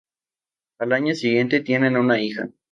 Al año siguiente tienen una hija.